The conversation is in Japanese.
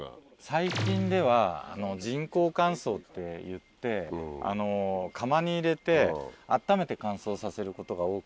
最近では人工乾燥っていって窯に入れて温めて乾燥させることが多くて。